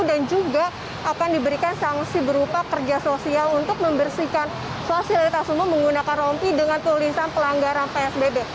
dan juga akan diberikan sanksi berupa kerja sosial untuk membersihkan fasilitas semua menggunakan rompi dengan tulisan pelanggaran psbb